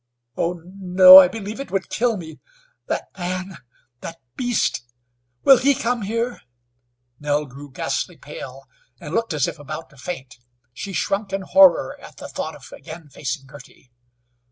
"Oh! No, I believe it would kill me! That man! that beast! will he come here?" Nell grew ghastly pale, and looked as if about to faint. She shrunk in horror at the thought of again facing Girty.